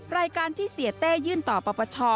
รายการที่เสียเต้ยื่นต่อปปช